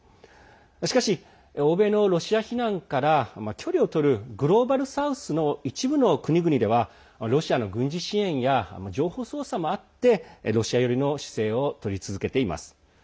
しかし、欧米のロシア非難から距離を取るグローバル・サウスの一部の国々ではロシアの軍事支援や情報操作もあってロシア寄りの姿勢をとり続けています。